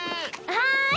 はい！